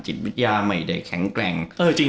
จิตวิทยาไม่ได้แข็งแกร่ง